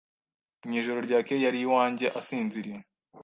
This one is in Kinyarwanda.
mwijoro ryakeye yari iwanjye asinziriye